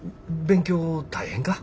勉強大変か？